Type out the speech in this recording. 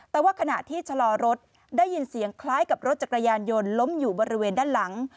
แต่ว่าขณะที่ชะลอรถได้ยินเสียงคล้ายกับรถจักรยานยนต์ล้มอยู่บริเวณด้านหลัง